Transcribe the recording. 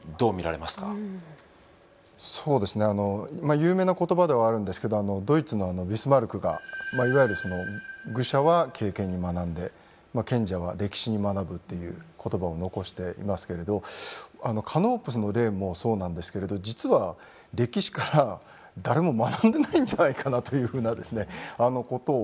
有名な言葉ではあるんですけどドイツのビスマルクがいわゆるその「愚者は経験に学んで賢者は歴史に学ぶ」っていう言葉を残していますけれどカノープスの例もそうなんですけれど実は歴史から誰も学んでないんじゃないかなというふうなことを思ったりします。